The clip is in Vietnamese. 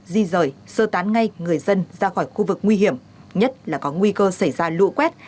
di rời sơ tán ngay người dân ra khỏi khu vực nguy hiểm nhất là có nguy cơ xảy ra lũ quét